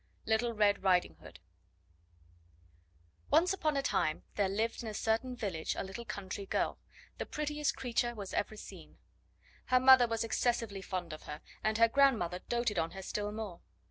LITTLE RED RIDING HOOD Once upon a time there lived in a certain village a little country girl, the prettiest creature was ever seen. Her mother was excessively fond of her; and her grandmother doted on her still more.